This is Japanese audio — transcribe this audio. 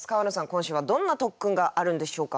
今週はどんな特訓があるんでしょうか？